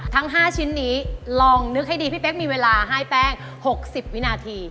ทั้ง๕ชิ้นนี้ลองนึกให้ดีพี่เป๊กมีเวลาให้แป้ง๖๐วินาที